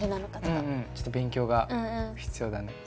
ちょっと勉強が必要だね。